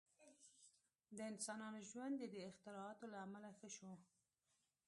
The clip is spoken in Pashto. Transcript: • د انسان ژوند د دې اختراعاتو له امله ښه شو.